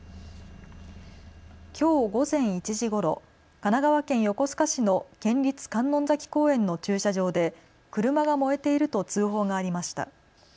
きょう午前１時ごろ、神奈川県横須賀市の県立観音崎公園の駐車場で車が燃えていると通報がありました。